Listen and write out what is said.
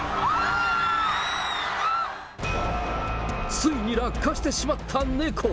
ついに落下してしまった猫。